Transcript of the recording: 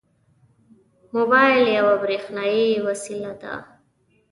موبایل یوه برېښنایي وسیله ده.